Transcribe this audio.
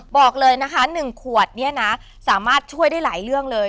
บอกเลยนะคะ๑ขวดเนี่ยนะสามารถช่วยได้หลายเรื่องเลย